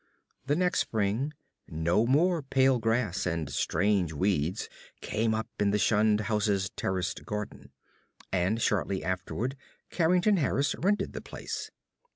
The next spring no more pale grass and strange weeds came up in the shunned house's terraced garden, and shortly afterward Carrington Harris rented the place.